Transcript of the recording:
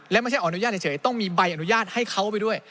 และไม่ใช่อนุญาตเฉยต้องมีใบอนุญาตให้เขาไปด้วย